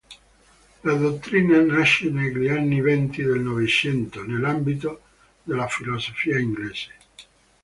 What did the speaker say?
La dottrina nasce negli anni Venti del Novecento, nell'ambito della filosofia inglese.